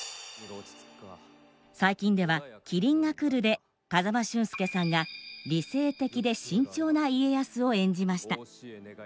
最近では「麒麟がくる」で風間俊介さんが理性的で慎重な家康を演じました。